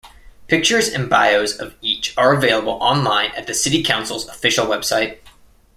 Pictures and bios of each are available online at the City Council's official website.